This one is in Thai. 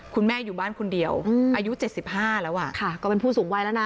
คุณแม่อยู่บ้านคุณเดียวอายุเจ็ดสิบห้าแล้วอ่ะค่ะก็เป็นผู้สูงวัยแล้วนะ